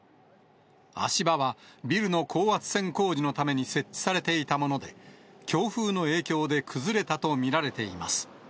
足場はビルの高圧線工事のために設置されていたもので、強風の影響で崩れたと見られています。